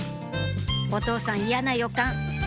お父さん嫌な予感